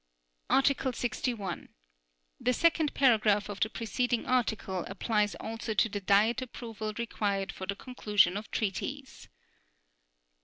Article 61. The second paragraph of the preceding article applies also to the Diet approval required for the conclusion of treaties.